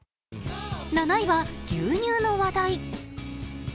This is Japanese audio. ７位は牛乳の話題。